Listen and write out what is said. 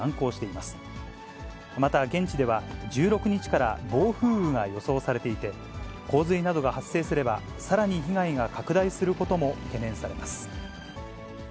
また、現地では１６日から暴風雨が予想されていて、洪水などが発生すれば、さらに被害が拡大することも懸念されます。